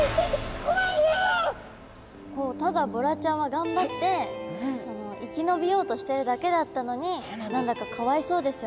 ただボラちゃんはがんばって生き延びようとしてるだけだったのに何だかかわいそうですよね